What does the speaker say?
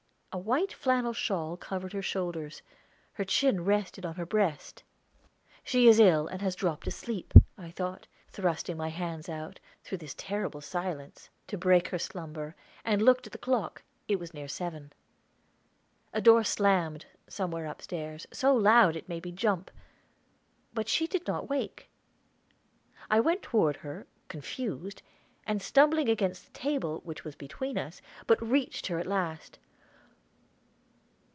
A white flannel shawl covered her shoulders; her chin rested on her breast. "She is ill, and has dropped asleep," I thought, thrusting my hands out, through this terrible silence, to break her slumber, and looked at the clock; it was near seven. A door slammed, somewhere upstairs, so loud it made me jump; but she did not wake. I went toward her, confused, and stumbling against the table, which was between us, but reached her at last.